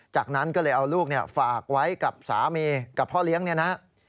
จากนั้นก็เลยเอาลูกฝากไว้กับสามีกับพ่อเลี้ยงเนี่ยนะ